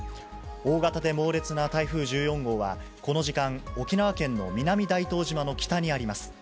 大型で猛烈な台風１４号は、この時間、沖縄県の南大東島の北にあります。